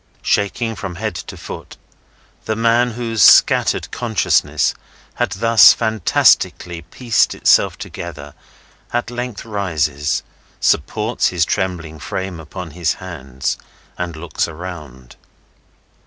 Shaking from head to foot, the man whose scattered consciousness has thus fantastically pieced itself together, at length rises, supports his trembling frame upon his arms, and looks around.